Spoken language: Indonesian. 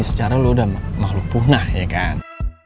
secara lo udah makhluk punah ya kan